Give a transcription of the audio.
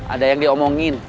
ada yang diomongin